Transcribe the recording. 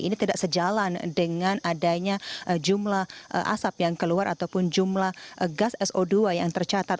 ini tidak sejalan dengan adanya jumlah asap yang keluar ataupun jumlah gas so dua yang tercatat